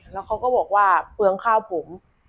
แล้วเขาก็บอกว่าเปลืองข้าวผม